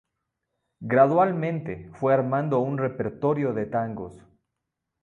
Gradualmente fue armando un repertorio de tangos.